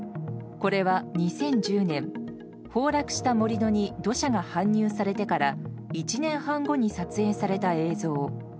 これは２０１０年崩落した盛り土に土砂が搬入されてから１年半後に撮影された映像。